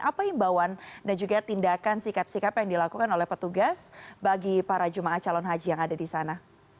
apa imbauan dan juga tindakan sikap sikap yang dilakukan oleh petugas bagi para jemaah calon haji yang ada di sana